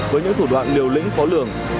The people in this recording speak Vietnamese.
với những thủ đoạn liều lĩnh khó lường